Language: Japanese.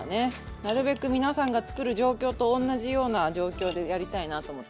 なるべく皆さんが作る状況と同じような状況でやりたいなと思って。